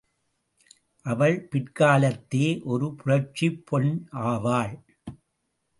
அவள் பிற்காலத்தே ஒரு புரட்சிப் பெண் ஆவாள்.